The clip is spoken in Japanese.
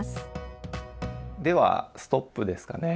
ではストップですかね。